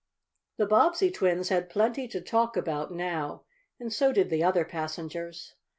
The Bobbsey twins had plenty to talk about now, and so did the other passengers.